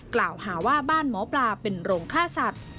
กล่าวหาว่าบ้านหมอปลาเป็นโรงฆ่าสัตว์